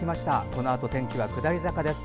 このあと天気は下り坂です。